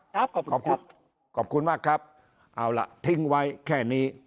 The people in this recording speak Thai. ขอบคุณขอบคุณมากครับเอาล่ะทิ้งไว้แค่นี้